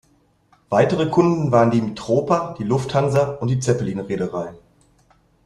Weitere Kunden waren die Mitropa, die Lufthansa und die Zeppelin-Reederei.